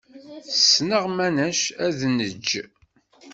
Ssneɣ manec ad neǧǧ.